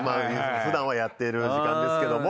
ふだんはやってる時間ですけども。